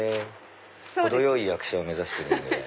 程よい役者を目指してるんで。